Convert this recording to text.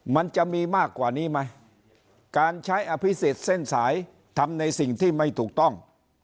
มันจะมีมากกว่านี้ไหมการใช้อภิษฎเส้นสายทำในสิ่งที่ไม่ถูกต้อง